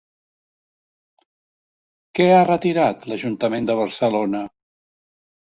Què ha retirat l'Ajuntament de Barcelona?